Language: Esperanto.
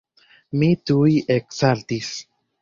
Mi tuj eksaltis.